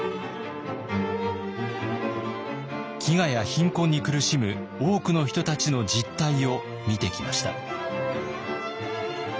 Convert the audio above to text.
飢餓や貧困に苦しむ多くの人たちの実態を見てきました。